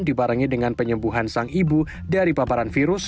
dibarengi dengan penyembuhan sang ibu dari paparan virus